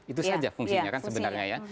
itu saja fungsinya kan sebenarnya ya